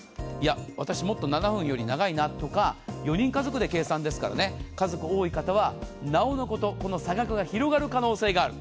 私、もっと７分より長いなとか４人家族で計算ですから家族が多い方はなおのことこの差額が広がる可能性がある。